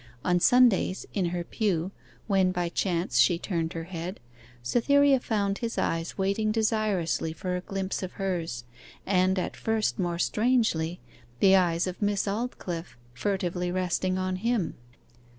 On Sundays, in her pew, when by chance she turned her head, Cytherea found his eyes waiting desirously for a glimpse of hers, and, at first more strangely, the eyes of Miss Aldclyffe furtively resting on him.